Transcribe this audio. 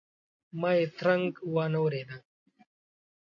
ما یې ترنګ وانه ورېد.